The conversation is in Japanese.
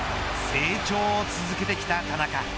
成長を続けてきた田中。